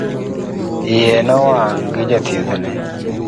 Iye nowang' gi jathiethne